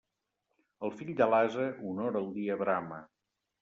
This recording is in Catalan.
El fill de l'ase, una hora al dia brama.